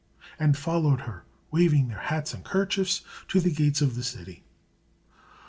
and followed her, waving their hats and kerchiefs, to the gates of the city.